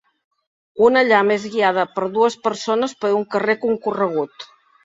Una llama és guiada per dues persones per un carrer concorregut.